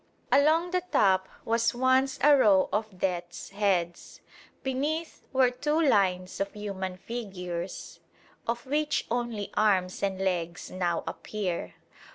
Along the top was once a row of death's heads. Beneath were two lines of human figures, of which only arms and legs now appear.